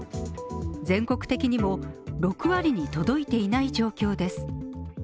全国的にも６割に届いていない状況です。